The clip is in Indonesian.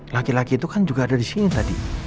laki laki itu kan juga ada disini tadi